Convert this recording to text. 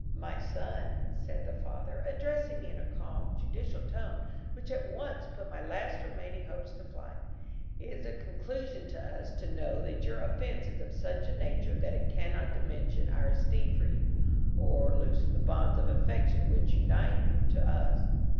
"My son," said the father, addressing me in a calm, judicial tone which at once put my last remaining hopes to flight, "it is a consolation to us to know that your offense is of such a nature that it cannot diminish our esteem for you, or loosen the bonds of affection which unite you to us.